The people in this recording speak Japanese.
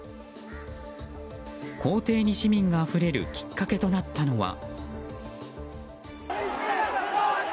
公邸に市民があふれるきっかけとなったのは。